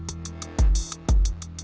lempar aja cik cid